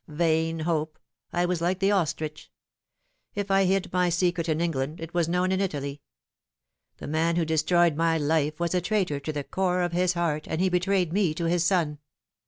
Vain hope. I was like the ostrich. If I hid my secret in England, it was known in Italy. The man who destroyed my life was a traitor to the core of his heart, and he betrayed me to his son.